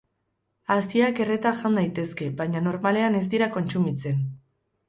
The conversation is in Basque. Haziak erreta jan daitezke, baina normalean ez dira kontsumitzen.